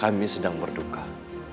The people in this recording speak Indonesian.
kamu sih sama lagu penghantar